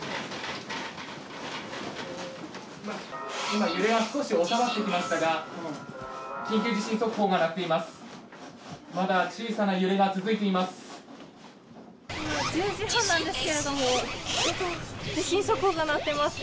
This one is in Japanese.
今、揺れは少し収まってきましたが緊急地震速報が鳴っています。